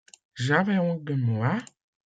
J'avais honte de moi.